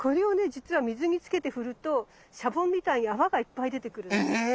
じつは水につけて振るとシャボンみたいに泡がいっぱい出てくるの。